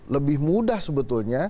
lebih mudah sebetulnya